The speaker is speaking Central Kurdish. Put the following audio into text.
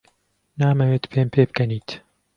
نامەوێت پێم پێبکەنیت.